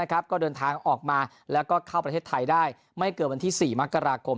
ก็เดินทางออกมาแล้วก็เข้าประเทศไทยได้ไม่เกินวันที่๔มกราคม